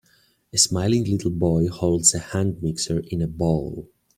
A smiling little boy holds a hand mixer in a bowl.